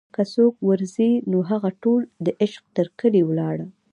که څوک ور ځي نوهغه ټول دعشق تر کلي ولاړه